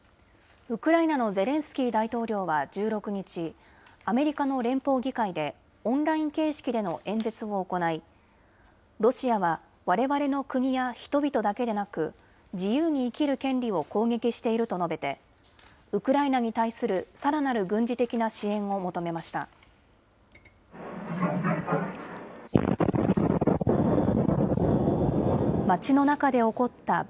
ウクライナのゼレンスキー大統領は１６日、アメリカの連邦議会でオンライン形式での演説を行いロシアは、われわれの国や人々だけでなく自由に生きる権利を攻撃していると述べてウクライナに対するさらなる軍事的な支援を求めました。